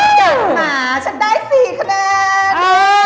จัดหาฉันได้๔คะแนน